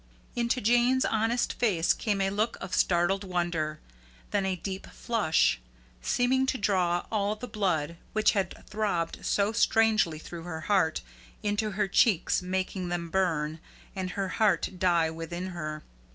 Into Jane's honest face came a look of startled wonder; then a deep flush, seeming to draw all the blood, which had throbbed so strangely through her heart, into her cheeks, making them burn, and her heart die within her.